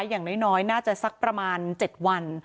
อย่างน้อยน่าจะสักประมาณ๗วัน